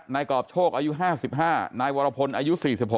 กรอบโชคอายุ๕๕นายวรพลอายุ๔๖